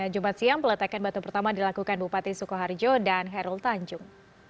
jumat siang peletakan batu pertama dilakukan bupati sukoharjo dan herul tanjung